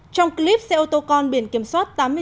trong clip xe ô tô con biển kiểm soát tám mươi sáu kmh